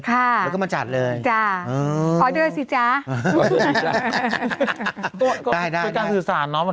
ค่ะแล้วก็มาจัดเลยจ้าออเดอร์ซิจ้าได้ได้ได้ก็การสื่อสารเนอะ